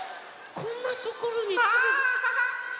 こんなところにつるが。